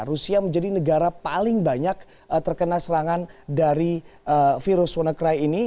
rusia menjadi negara paling banyak terkena serangan dari virus wannacry ini